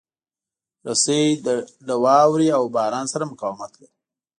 رسۍ له واوره او باران سره مقاومت لري.